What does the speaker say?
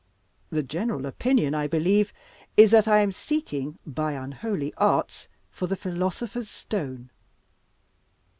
The general opinion, I believe, is, that I am seeking by unholy arts for the philosopher's stone.